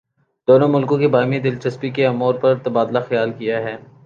دونوں ملکوں کی باہمی دلچسپی کے امور پر تبادلہ خیال کیا ہے